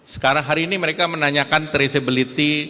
sekarang hari ini mereka menanyakan traceability